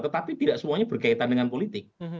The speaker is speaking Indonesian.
tetapi tidak semuanya berkaitan dengan politik